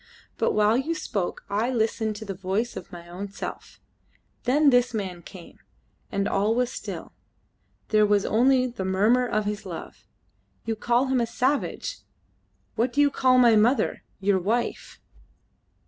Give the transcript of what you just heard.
But while you spoke I listened to the voice of my own self; then this man came, and all was still; there was only the murmur of his love. You call him a savage! What do you call my mother, your wife?"